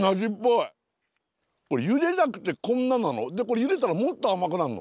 ゆでなくてこんななの？